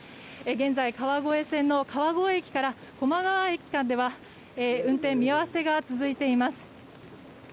現在、川越線の川越駅から一部区間で運転見合わせが続いています。